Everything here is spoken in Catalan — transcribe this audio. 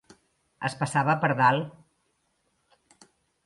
Es passava per dalt.